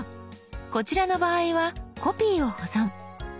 こちらの場合は「コピーを保存」。